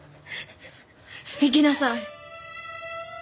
行きなさい！